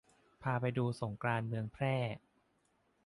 พาไปดูสงกรานต์เมืองแพร่